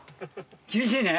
厳しいね。